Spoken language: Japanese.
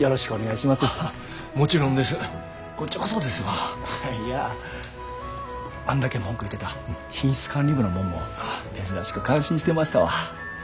いやあんだけ文句言うてた品質管理部のもんも珍しく感心してましたわ。